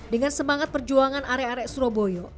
dengan semangat perjuangan arek arek surabaya